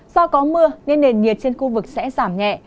do có mưa nên nền nhiệt trên khu vực sẽ giảm nhẹ